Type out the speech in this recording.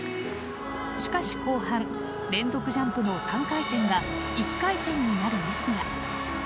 しかし後半連続ジャンプの３回転が１回転になるミスが。